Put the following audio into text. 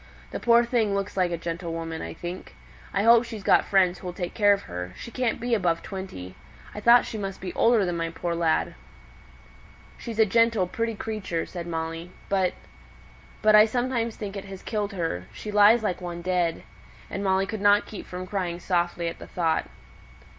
This poor thing looks like a gentlewoman, I think. I hope she's got friends who'll take care of her, she can't be above twenty. I thought she must be older than my poor lad!" "She's a gentle, pretty creature," said Molly. "But but I sometimes think it has killed her; she lies like one dead." And Molly could not keep from crying softly at the thought.